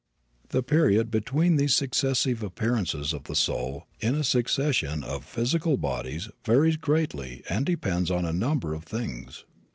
The period between these successive appearances of the soul in a succession of physical bodies varies greatly and depends on a number of things.